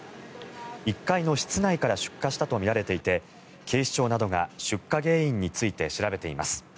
１階の室内から出火したとみられていて警視庁などが出火原因について調べています。